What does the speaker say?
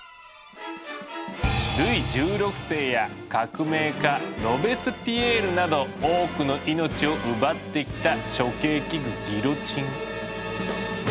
ルイ１６世や革命家ロベスピエールなど多くの命を奪ってきた処刑器具ギロチン。